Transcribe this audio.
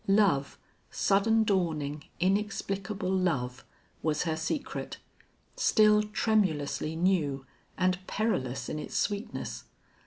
Love, sudden dawning, inexplicable love, was her secret, still tremulously new, and perilous in its sweetness.